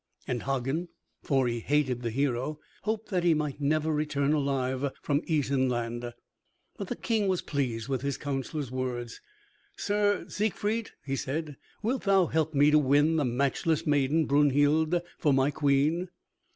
And Hagen, for he hated the hero, hoped that he might never return alive from Isenland. But the King was pleased with his counselor's words. "Sir Siegfried," he said, "wilt thou help me to win the matchless maiden Brunhild for my queen?"